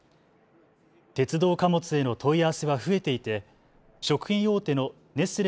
鉄道貨物への問い合わせは増えていて食品大手のネスレ